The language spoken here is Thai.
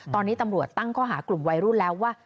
ตอนนี้ตำรวจตั้งข้อหากลุ่มวัยรุ่นแล้วว่า